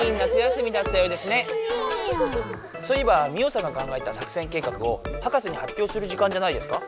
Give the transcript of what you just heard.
そういえばミオさんが考えた作戦計画を博士に発表する時間じゃないですか？